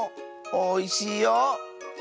おいしいよ！